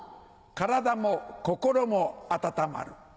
体も心も温まる。